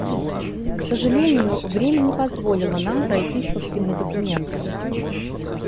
К сожалению, время не позволило нам пройтись по всему документу.